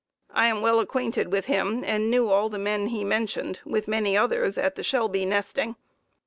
I am well acquainted with him and knew all the men he mentioned (with many others) at the Shelby nesting.